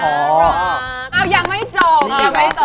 อ้าวยังไม่จบ